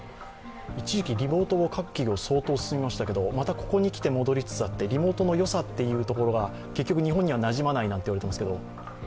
一時期、リモートが各企業相当進みましたけれども、またここにきて戻りつつあって、リモートのよさが結局日本にはなじまないと言われていますけど？